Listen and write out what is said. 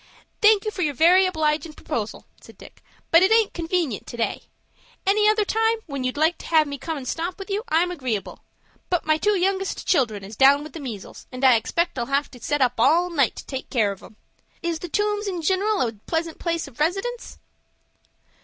"Thank you for your very obligin' proposal," said Dick; "but it aint convenient to day. Any other time, when you'd like to have me come and stop with you, I'm agreeable; but my two youngest children is down with the measles, and I expect I'll have to set up all night to take care of 'em. Is the Tombs, in gineral, a pleasant place of residence?"